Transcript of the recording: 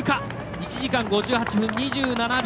１時間５８秒２７秒。